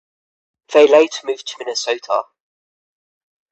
They later moved to Minnesota.